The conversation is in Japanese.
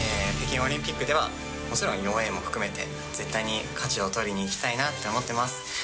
北京オリンピックではもちろん４Ａも含めて、絶対に勝ちを取りにいきたいなと思ってます。